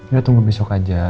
ya tunggu besok aja